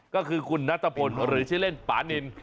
ก็คือคุณนัทพลหรือชื่อเล่นปานิน